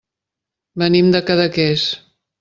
Venim de Cadaqués.